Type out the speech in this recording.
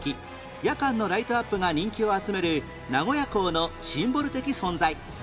夜間のライトアップが人気を集める名古屋港のシンボル的存在